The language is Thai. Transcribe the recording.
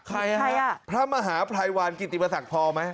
ใครฮะพระมหาภัยวันกิติปศักดิ์พอไหม